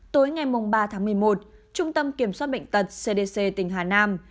tối ngày ba tháng một mươi một trung tâm kiểm soát bệnh tật cdc tỉnh hà nam